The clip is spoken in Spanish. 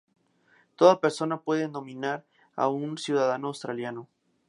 Toda persona puede nominar a un ciudadano australiano.